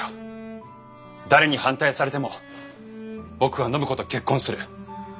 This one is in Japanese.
誰に反対されても僕は暢子と結婚する。